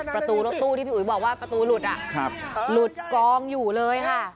ประตูรถตู้ที่พี่อุ๋ยบอกว่าประตูหลุดหลุดกองอยู่เลยค่ะ